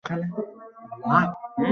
আমার হাইপোথিসিস আমি আপনাকে বললাম।